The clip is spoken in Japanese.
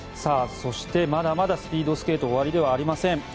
そしてまだまだスピードスケート終わりではありません。